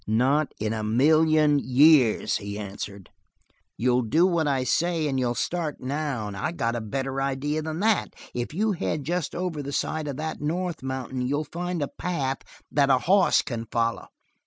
"Not in a million years," he answered. "You'll do what I say, and you'll start now. I got a better idea than that. If you head just over the side of that north mountain you'll find a path that a hoss can follow.